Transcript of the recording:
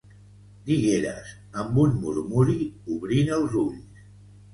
—Digueres, amb un murmuri, obrint els ulls.